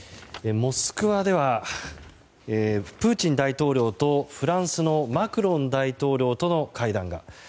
モスクワではプーチン大統領とフランスのマクロン大統領との会談が。